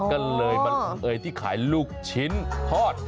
ก็เลยมาลงเอยที่ขายลูกชิ้นทอด